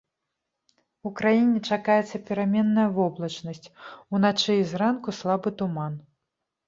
У краіне чакаецца пераменная воблачнасць, уначы і зранку слабы туман.